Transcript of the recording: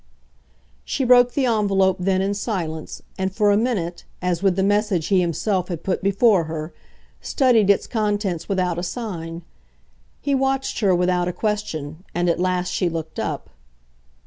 She broke the envelope then in silence, and for a minute, as with the message he himself had put before her, studied its contents without a sign. He watched her without a question, and at last she looked up.